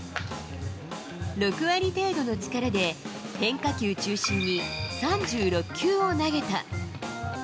６割程度の力で、変化球中心に３６球を投げた。